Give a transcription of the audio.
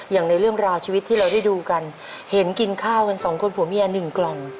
อย่างในเรื่องราวชีวิตที่เราได้ดูกันเห็นกินข้าวกันสองคนผัวเมียหนึ่งกล่อง